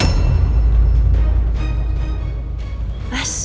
kita hal hal pilihan yang salah